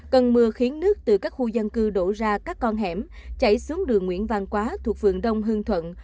cơn mưa khiến nước từ các khu dân cư đổ ra các con hẻm chảy xuống đường nguyễn văn quá thuộc phường đông hương thuận